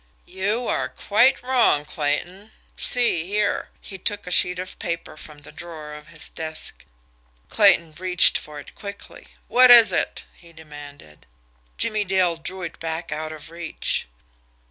"You are quite wrong, Clayton. See here." He took a sheet of paper from the drawer of his desk. Clayton reached for it quickly. "What is it?" he demanded. Jimmie Dale drew it back out of reach.